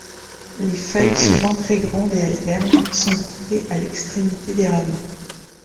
Les feuilles, souvent très grandes et alternes, sont groupées à l'extrémité des rameaux.